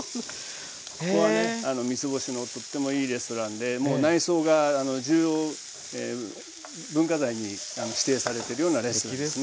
ここはね三つ星のとってもいいレストランでもう内装が重要文化財に指定されてるようなレストランですね。